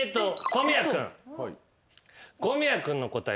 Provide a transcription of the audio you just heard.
小宮君の答え